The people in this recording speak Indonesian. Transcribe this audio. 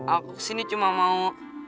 aku kesini cuma mau